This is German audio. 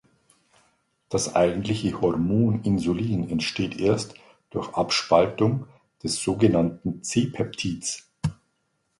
Das eigentliche Hormon Insulin entsteht erst durch Abspaltung des sogenannten C-Peptids.